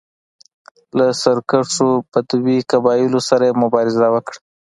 له سرکښو بدوي قبایلو سره یې مبارزه وکړه.